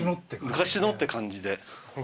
昔のって感じで。